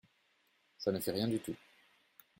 Ça ne fait rien du tout.